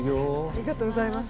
ありがとうございます。